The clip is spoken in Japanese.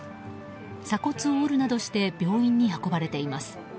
鎖骨を折るなどして病院に運ばれています。